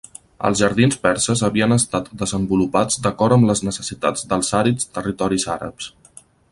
Els jardins perses havien estat desenvolupats d'acord amb les necessitats dels àrids territoris àrabs.